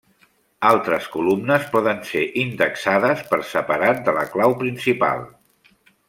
Altres columnes poden ser indexades per separat de la clau principal.